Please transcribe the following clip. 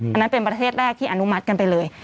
อันนั้นเป็นประเทศแรกที่อนุมัติกันไปเลย